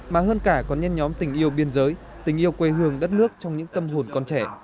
mà hơn cả còn nhân nhóm tình yêu biên giới tình yêu quê hương đất nước trong những tâm hồn con trẻ